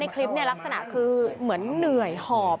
คลิปลักษณะคือเหมือนเหนื่อยหอบ